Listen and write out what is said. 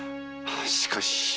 しかし。